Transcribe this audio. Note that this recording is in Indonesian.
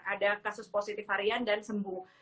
ada kasus positif harian dan sembuh